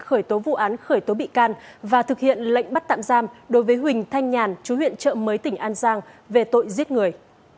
khởi tố vụ án khởi tố bị can và thực hiện lệnh bắt tạm giam đối với huỳnh thanh nhàn chú huyện trợ mới tỉnh an giang về tội giết người